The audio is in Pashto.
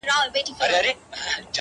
ته له قلف دروازې، یو خروار بار باسه.